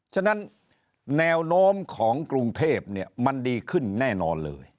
ฉะนั้นแนวโน้มของกรุงเทพมันดีขึ้นแน่นอนเลย